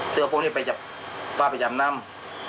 พระพุทธจะปล่อยไปจำน่ำ